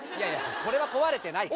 これは壊れてないから。